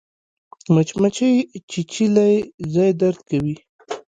مچمچۍ چیچلی ځای درد کوي